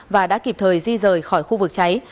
và đã kịp thời di rời khỏi khu vực cháy